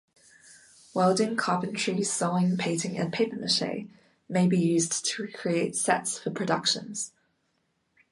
Welding, carpentry, sewing, painting and paper-mache may be used to create sets for productions.